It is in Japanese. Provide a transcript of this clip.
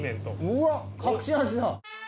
うわっ隠し味だ。